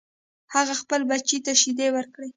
هغې خپل بچی ته شیدې ورکړې